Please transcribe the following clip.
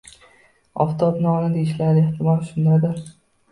Oftobni ona deyishlari, ehtimol, shundandir.